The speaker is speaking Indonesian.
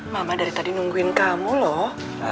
mama dari tadi nungguin kamu loh